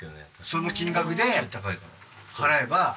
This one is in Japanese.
その金額で払えば日本に。